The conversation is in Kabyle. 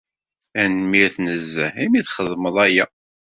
Tanemmirt nezzeh imi txedmeḍ aya.